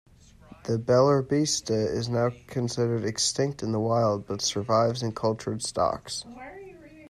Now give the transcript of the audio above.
The beloribitsa is now considered extinct in the wild, but survives in cultured stocks.